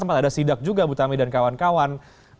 sempat ada sidak juga bu tami dan kawan kawan